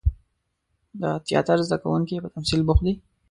د تیاتر زده کوونکي په تمثیل بوخت دي.